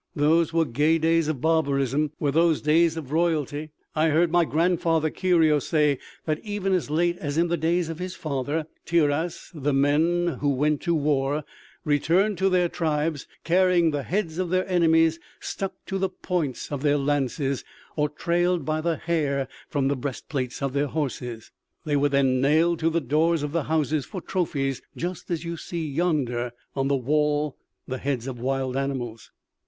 Those were gay days of barbarism, were those days of royalty. I heard my grandfather Kirio say that even as late as in the days of his father, Tiras, the men who went to war returned to their tribes carrying the heads of their enemies stuck to the points of their lances, or trailed by the hair from the breast plates of their horses. They were then nailed to the doors of the houses for trophies, just as you see yonder on the wall the heads of wild animals."